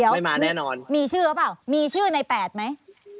ไม่มาแน่นอนมีชื่อหรือเปล่ามีชื่อใน๘ไหม